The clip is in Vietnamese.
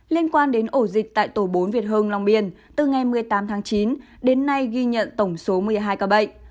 liên quan đến ổ dịch tại tổ bốn việt hương long biên từ ngày một mươi tám tháng chín đến nay ghi nhận tổng số một mươi hai ca bệnh